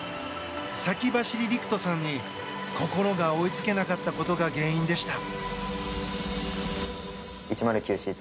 先走り陸斗さんに心が追いつけなかったことが原因でした。